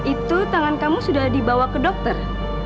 itu tangan kamu sudah dibawa ke dokter